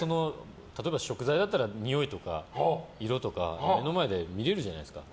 例えば食材だったらにおいとか色とか目の前で見れるじゃないですか。